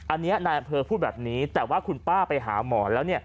อันนี้นายอำเภอพูดแบบนี้แต่ว่าคุณป้าไปหาหมอแล้ว